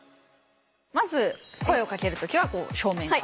まず声をかけるときは正面から。